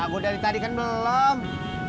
aku dari tadi kan belum